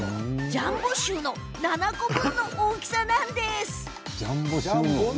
ジャンボシューの７個分の大きさなんです！